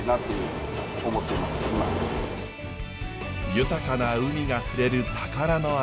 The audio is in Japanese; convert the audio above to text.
豊かな海がくれる宝の味。